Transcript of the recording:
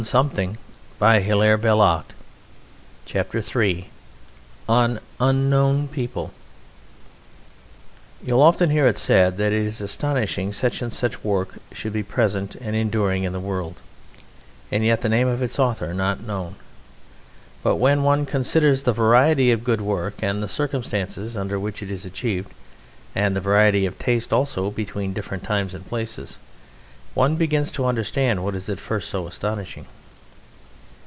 They have added to the gaiety of mankind. ON UNKNOWN PEOPLE You will often hear it said that it is astonishing such and such work should be present and enduring in the world, and yet the name of its author not known; but when one considers the variety of good work and the circumstances under which it is achieved, and the variety of taste also between different times and places, one begins to understand what is at first so astonishing.